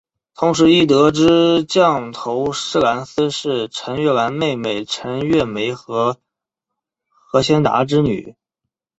同时亦得知降头师蓝丝是陈月兰妹妹陈月梅和何先达之女。